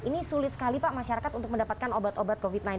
ini sulit sekali pak masyarakat untuk mendapatkan obat obat covid sembilan belas